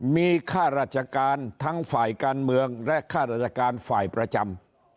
มีค่าราชการทั้งฝ่ายการเมืองและค่าราชการฝ่ายประจำ